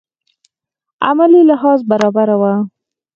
عملي لحاظ برابره وه.